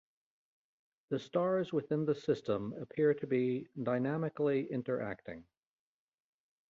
The stars within the system appear to be dynamically interacting.